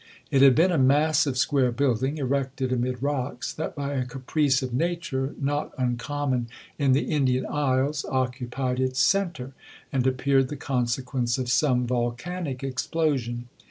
It had been a massive square building, erected amid rocks, that, by a caprice of nature not uncommon in the Indian isles, occupied its centre, and appeared the consequence of some volcanic explosion.